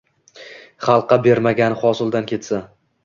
Xalqqa bermagani hosildan ketsa